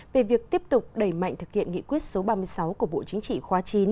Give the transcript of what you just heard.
về việc tiếp tục đẩy mạnh thực hiện nghị quyết số ba mươi sáu của bộ chính trị khóa chín